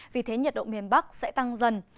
vì thế nhiệt độ miền bắc sẽ tăng dần